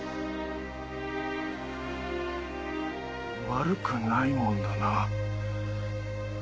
悪くないもんだな。